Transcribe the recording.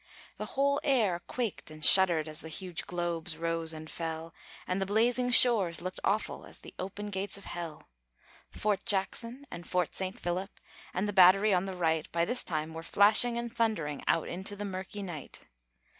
The whole air quaked and shuddered As the huge globes rose and fell, And the blazing shores looked awful As the open gates of hell. Fort Jackson and Fort Saint Philip, And the battery on the right, By this time were flashing and thundering Out into the murky night.